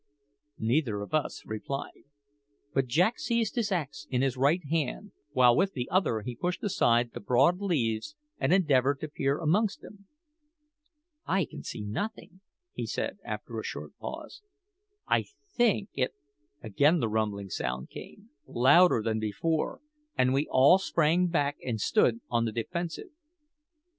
Neither of us replied; but Jack seized his axe in his right hand, while with the other he pushed aside the broad leaves and endeavoured to peer amongst them. "I can see nothing," he said after a short pause. "I think it " Again the rumbling sound came, louder than before, and we all sprang back and stood on the defensive.